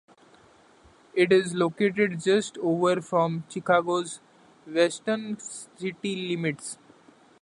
It is located just over from Chicago's western city limits.